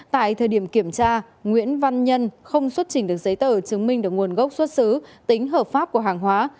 tại thời điểm kiểm tra nguyễn văn nhân không xuất trình được giấy tờ chứng minh được nguồn gốc xuất xứ tính hợp pháp của hàng hóa